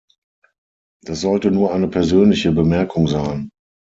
Das sollte nur eine persönliche Bemerkung sein.